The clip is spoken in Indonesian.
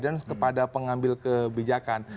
sebuah guidance kepada pengambil kebijakan